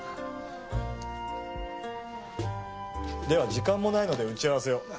では時間もないので打ち合わせを。